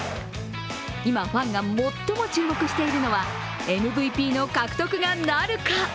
今、ファンが最も注目しているのはＭＶＰの獲得がなるか！